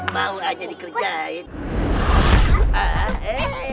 mau aja dikerjain